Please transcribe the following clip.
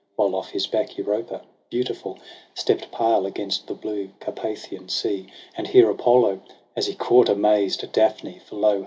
While off his back Europa beautiful Stept pale against the blue Carpathian sea ; And here Apollo, as he caught amazed Daphne, for lo !